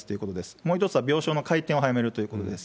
もう一つは病床の回転を早めるということです。